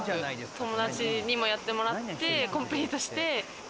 友達にもやってもらって、コンプリートして。